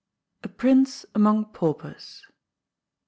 A PRINCE AHOKO PAUPERS.